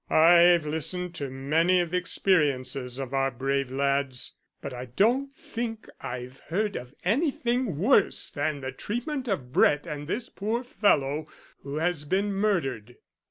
I've listened to many of the experiences of our brave lads, but I don't think I've heard anything worse than the treatment of Brett and this poor fellow who has been murdered."